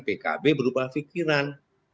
pkb berubah pikiran